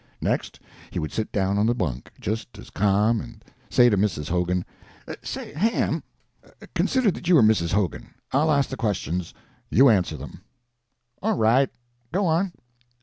Next, he would sit down on the bunk, just as ca'm, and say to Mrs. Hogan Say, Ham, consider that you are Mrs. Hogan. I'll ask the questions; you answer them." "All right; go on."